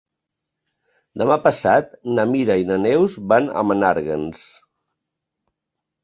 Demà passat na Mira i na Neus van a Menàrguens.